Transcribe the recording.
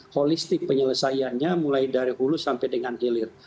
holistik penyelesaiannya mulai dari hulu sampai dengan hilir